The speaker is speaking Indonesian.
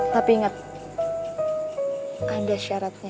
tapi ingat ada syaratnya